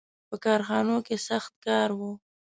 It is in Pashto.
• په کارخانو کې سخت کار و.